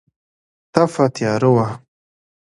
تپه تیاره وه.